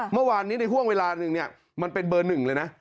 เมื่อวานนี้ในห่วงเวลาหนึ่งเนี่ยมันเป็นเบอร์หนึ่งเลยนะ